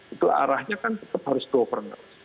itu arahnya kan tetap harus government